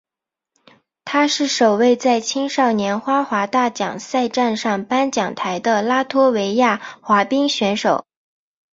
他是首位在青少年花滑大奖赛站上颁奖台的拉脱维亚滑冰选手。